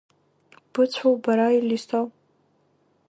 Быцәоу бара, Елисо?